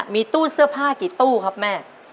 มีตู้เสื้อผ้ากี่ตู้ครับแม่